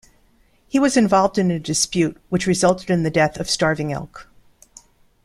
He was involved in a dispute which resulted in the death of Starving Elk.